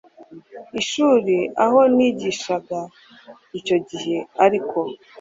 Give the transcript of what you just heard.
ishuri aho nigishaga icyo gihe. ariko